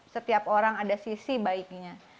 setiap orang ada sisi baiknya